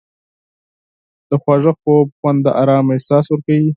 د خواږه خوب خوند د آرام احساس ورکوي.